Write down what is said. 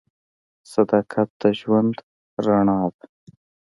صداقت د ژوند رڼا ده.